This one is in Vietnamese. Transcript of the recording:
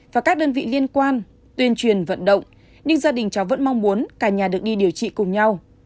và các đơn vị liên quan tuyên truyền vận động nhưng gia đình cháu vẫn mong muốn cả nhà được đi điều trị cùng nhau